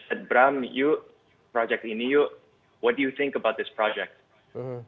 abram yuk proyek ini yuk apa pendapatmu tentang proyek ini